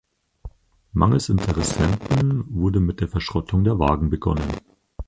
Mangels Interessenten wurde mit der Verschrottung der Wagen begonnen.